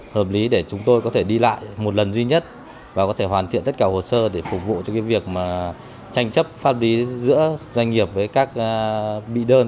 hợp lý để chúng tôi có thể đi lại một lần duy nhất và có thể hoàn thiện tất cả hồ sơ để phục vụ cho cái việc tranh chấp pháp lý giữa doanh nghiệp với các bị đơn